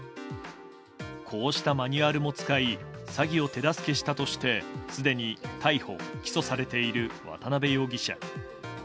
こうしたマニュアルも使い詐欺を手助けしたとしてすでに逮捕・起訴されている渡辺容疑者。